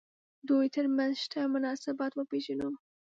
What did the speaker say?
دوی تر منځ شته مناسبات وپېژنو.